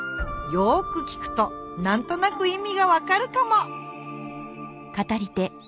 よく聞くとなんとなくいみがわかるかも？